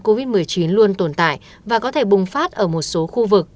covid một mươi chín luôn tồn tại và có thể bùng phát ở một số khu vực